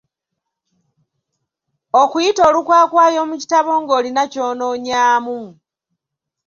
Okuyita olukwakwayo mu kitabo ng'olina ky'onoonyaamu.